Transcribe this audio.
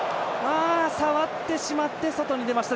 触ってしまって外に出ました。